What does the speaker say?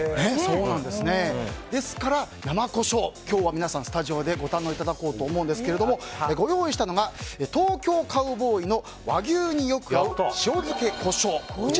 ですから、生コショウ皆さん今日はスタジオでご堪能いただこうと思うんですがご用意したのがＴＯＫＹＯＣＯＷＢＯＹの和牛によく合う塩漬けコショウ。